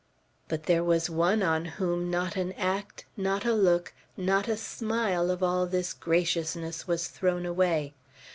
But there was one on whom not an act, not a look, not a smile of all this graciousness was thrown away.